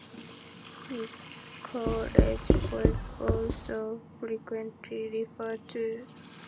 His courage was also frequently referred to.